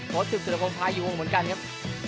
โพสต์สุดพงภายอยู่วงเหมือนกันครับ